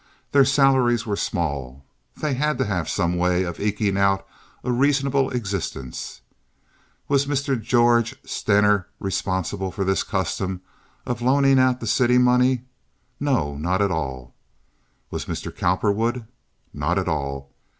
Their salaries were small. They had to have some way of eking out a reasonable existence. Was Mr. George Stener responsible for this custom of loaning out the city money? Not at all. Was Mr. Cowperwood? Not at all.